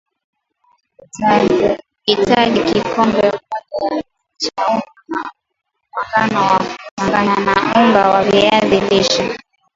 utahitaji Kikombe moja chaUnga wa ngano wa kuchanganya na unga wa vizi lishe